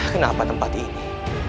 kenapa tempat ini